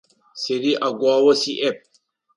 Сэри ӏэгуао сиӏэп.